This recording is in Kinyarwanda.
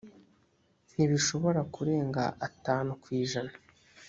ntibishobora kurenga atanu ku ijana